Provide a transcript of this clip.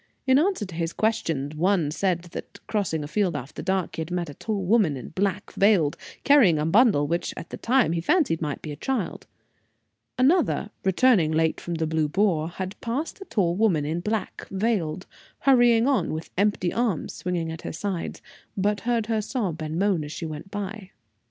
In answer to his questions, one said that, crossing a field after dark, he had met a tall woman, in black, veiled, carrying a bundle which, at the time, he fancied might be a child. Another, returning late from the Blue Boar, had passed a tall woman, in black, veiled, hurrying on, with empty arms swinging at her side, but heard her sob and moan as she went by.